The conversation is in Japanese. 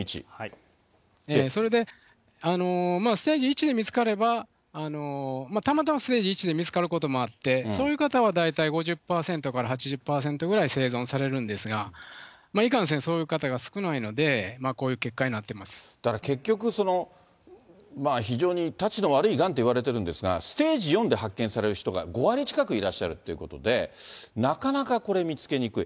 それで、ステージ１で見つかれば、たまたまステージ１で見つかることもあって、そういう方は大体５０％から８０％ぐらい生存されるんですが、いかんせんそういう方が少ないので、こういう結だから結局、その非常にたちの悪いがんっていわれてるんですが、ステージ４で発見される人が５割近くいらっしゃるということで、なかなかこれ、見つけにくい。